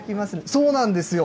そうなんですよ。